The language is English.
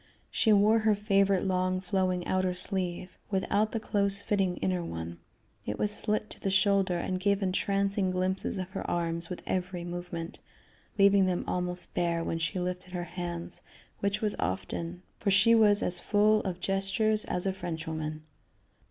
She wore her favorite long flowing outer sleeve, without the close fitting inner one. It was slit to the shoulder, and gave entrancing glimpses of her arms with every movement, leaving them almost bare when she lifted her hands, which was often, for she was as full of gestures as a Frenchwoman.